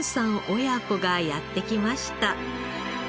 親子がやって来ました。